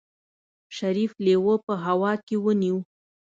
شريف لېوه په هوا کې ونيو.